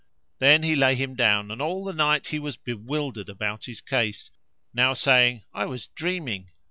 Then he lay him down and all the night he was bewildered about his case, now saying, "I was dreaming!"